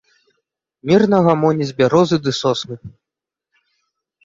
Мірна гамоняць бярозы ды сосны.